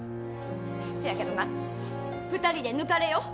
せやけどな２人で抜かれよ。